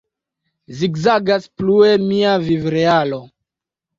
Zigzagas plue mia viv-realo...